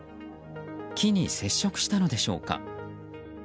木に接触したのでしょうか。